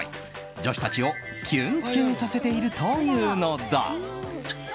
女子たちをキュンキュンさせているというのだ。